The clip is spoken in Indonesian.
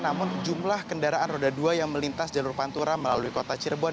namun jumlah kendaraan roda dua yang melintas jalur pantura melalui kota cirebon